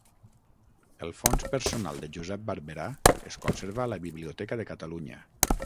El fons personal de Josep Barberà es conserva a la Biblioteca de Catalunya.